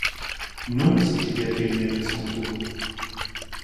Non, s'écria Keinec à son tour.